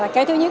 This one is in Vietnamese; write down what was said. cái thứ nhất